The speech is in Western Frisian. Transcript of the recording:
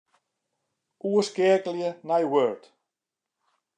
Oerskeakelje nei Word.